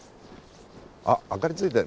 あっ明かりついてる。